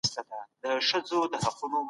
هر څوک يو څه کولای شي.